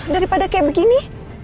daripada kayak begini